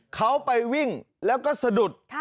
เขาไปวิ่งแล้วก็สะดุด